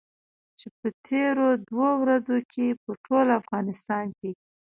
چې په تېرو دوو ورځو کې په ټول افغانستان کې.